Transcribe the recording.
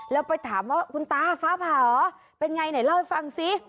แล้วไปถามว่าคุณตาฟ้าผ่าเหรอเป็นไงไหนเล่าให้ฟังสิ